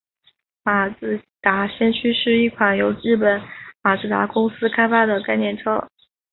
马自达先驱是一款由日本马自达公司开发的概念车。